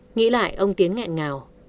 nghĩ lại ông tiến ngẹn ngào